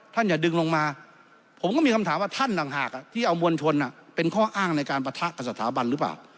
อย่าดึงลงมาผมก็มีคำถามว่าท่านต่างหากที่เอามวลชนเป็นข้ออ้างในการปะทะกับสถาบันหรือเปล่า